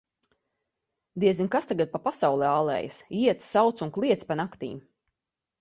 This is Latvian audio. Diezin, kas tagad pa pasauli ālējas: iet, sauc un kliedz pa naktīm.